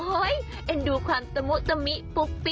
อ้ออ้อยเอ็นดูความตะมุตตะมีปุ๊บปิ๊บ